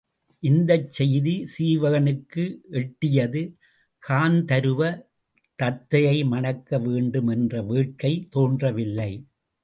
இந்தச் செய்தி சீவகனுக்கு எட்டியது காந்தருவ தத்தையை மணக்க வேண்டும் என்ற வேட்கை தோன்ற வில்லை.